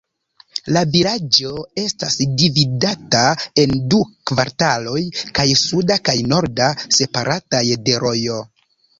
La vilaĝo estas dividata en du kvartaloj, kaj suda kaj norda, separataj de rojo.